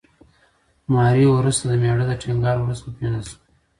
ماري وروسته د مېړه د ټینګار وروسته وپېژندل شوه.